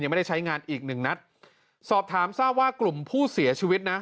ไม่ได้ใช้งานอีกหนึ่งนัดสอบถามทราบว่ากลุ่มผู้เสียชีวิตนะ